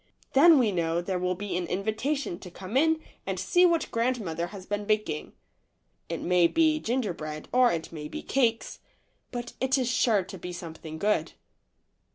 Then we know there will be an invitation to come in and see what grandmother has been baking . It may be gingerbread or it may be cakss, but it is sure to be something o'ood.